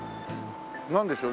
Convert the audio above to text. なんでしょう？